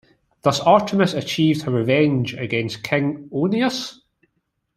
Thus Artemis achieved her revenge against King Oeneus.